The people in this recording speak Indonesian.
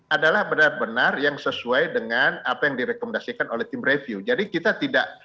adalah benar benar yang sesuai dengan apa yang direkomendasikan oleh tim review jadi kita tidak